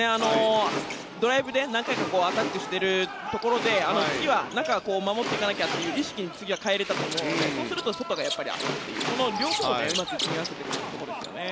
ドライブで何回かアタックしているところで次は中、守っていかなきゃという意識に次は帰れたと思うのでそうすると外が空くというこの両方をうまく組み合わせていくことですね。